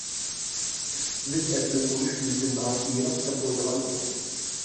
بىز ئەسلى ئۇرۇش بىزدىن ناھايىتى يىراق دەپ ئويلىغان ئىدۇق.